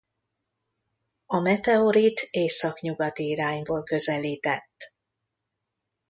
A meteorit északnyugati irányból közelített.